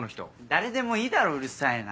誰でもいいだろうるさいな！